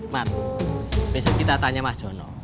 mat besok kita tanya mas jono